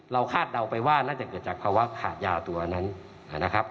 คาดเดาไปว่าน่าจะเกิดจากภาวะขาดยาตัวนั้นนะครับ